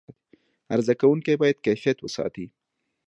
عرضه کوونکي باید کیفیت وساتي.